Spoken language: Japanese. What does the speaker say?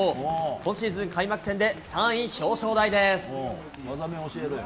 今シーズン開幕戦で３位表彰台です。